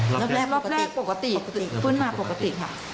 รอบแรกปกติปกติฟื้นมาปกติค่ะ